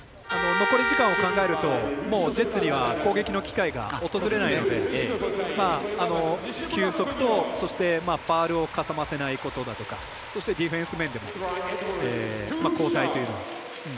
残り時間を考えるともうジェッツには攻撃の機会が訪れないので休息と、そしてファウルをかさませないことだとかそしてディフェンス面で交代というのが。